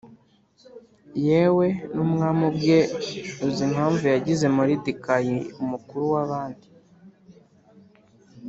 Yewe n ‘umwami ubwe uzi impamvu yagize Moridekayi umukuru wabandi